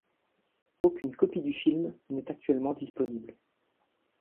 Aucune copie du film n'est actuellement disponible.